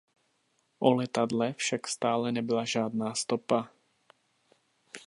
O letadle však stále nebyla žádná stopa.